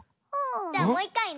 じゃあもういっかいね。